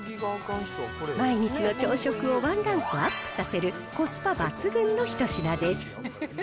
毎日の朝食をワンランクアップさせるコスパ抜群の一品です。